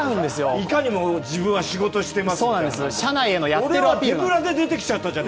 いかにも自分は仕事してますみたいな。